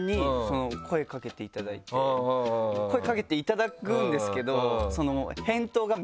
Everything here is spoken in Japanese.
声かけていただくんですけど。